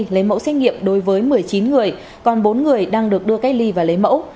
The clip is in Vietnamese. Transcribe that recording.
lấy mẫu xét nghiệm đối với một mươi chín người còn bốn người đang được đưa cách ly và lấy mẫu